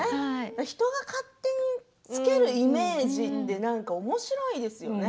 人が勝手につけるイメージっておもしろいですよね。